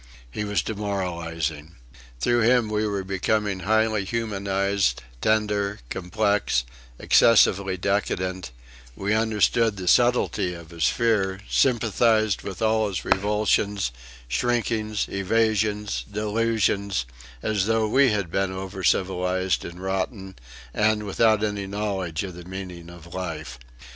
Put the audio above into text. He was demoralising. Through him we were becoming highly humanised, tender, complex, excessively decadent: we understood the subtlety of his fear, sympathised with all his repulsions, shrinkings, evasions, delusions as though we had been over civilised, and rotten, and without any knowledge of the meaning of life.